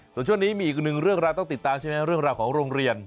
ส่วนช่วงนี้มีอีกหนึ่งเรื่องราวต้องติดตามใช่ไหมเรื่องราวของโรงเรียน